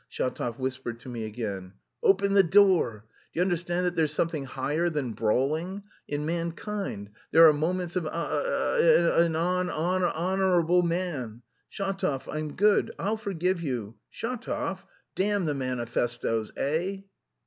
Shatov whispered to me again. "Open the door! Do you understand that there's something higher than brawling... in mankind; there are moments of an hon hon honourable man.... Shatov, I'm good; I'll forgive you.... Shatov, damn the manifestoes, eh?"